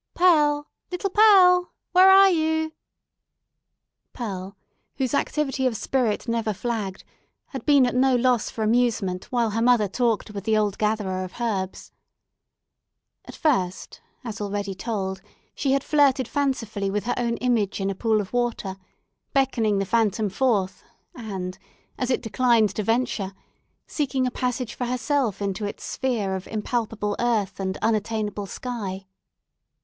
"Pearl! Little Pearl! Where are you?" Pearl, whose activity of spirit never flagged, had been at no loss for amusement while her mother talked with the old gatherer of herbs. At first, as already told, she had flirted fancifully with her own image in a pool of water, beckoning the phantom forth, and—as it declined to venture—seeking a passage for herself into its sphere of impalpable earth and unattainable sky.